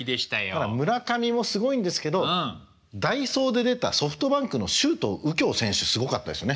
ただ村上もすごいんですけど代走で出たソフトバンクの周東佑京選手すごかったですね。